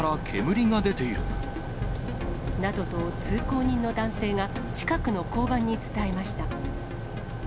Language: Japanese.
などと通行人の男性が、近くの交番に伝えました。